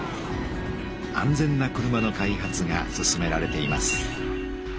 安全な車の開発が進められています。